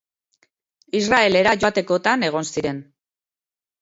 Israelera joatekotan egon ziren.